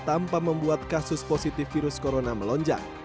tanpa membuat kasus positif virus corona melonjak